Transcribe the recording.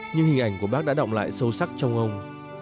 nhưng hình ảnh của bác đã động lại sâu sắc trong ông